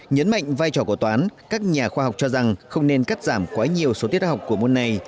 nhấn mạnh vai trò của toán các nhà khoa học cho rằng không nên cắt giảm quá nhiều số tiết học của môn này